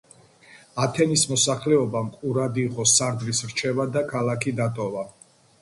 ათენის მოსახლეობამ ყურად იღო სარდლის რჩევა და ქალაქი დატოვა.